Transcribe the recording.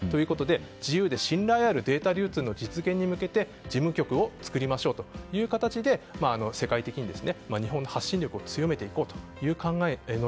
自由で信頼あるデータ流通の実現に向けて事務局を作りましょうと世界的にも日本の発信力を強めようと。